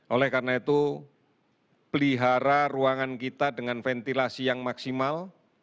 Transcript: oleh karena itu pelihara ruangan kita dengan ventilasi yang maksimal